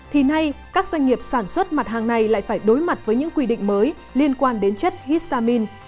thì nay các doanh nghiệp sản xuất mặt hàng này lại phải đối mặt với những quy định mới liên quan đến chất histamin